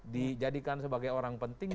dijadikan sebagai orang penting